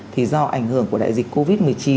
thì do ảnh hưởng của đại dịch covid một mươi chín